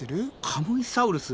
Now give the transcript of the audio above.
カムイサウルス？